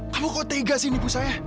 kamu kok tega sih nipu saya